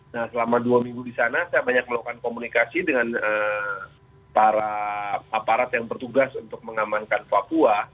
nah selama dua minggu di sana saya banyak melakukan komunikasi dengan para aparat yang bertugas untuk mengamankan papua